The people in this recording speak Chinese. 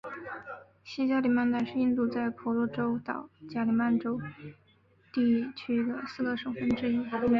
西加里曼丹是印尼在婆罗洲岛加里曼丹地区的四个省份之一。